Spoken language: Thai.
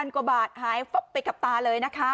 กว่าบาทหายไปกับตาเลยนะคะ